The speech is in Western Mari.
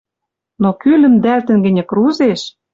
Но кӱ лӹмдӓлтӹн гӹньӹ крузеш